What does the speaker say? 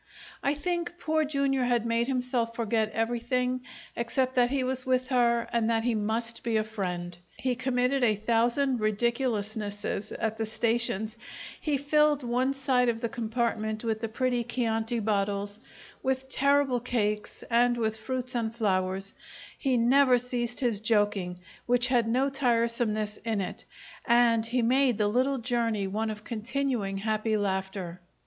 I think Poor Jr. had made himself forget everything except that he was with her and that he must be a friend. He committed a thousand ridiculousnesses at the stations; he filled one side of the compartment with the pretty chianti bottles, with terrible cakes, and with fruits and flowers; he never ceased his joking, which had no tiresomeness in it, and he made the little journey one of continuing, happy laughter.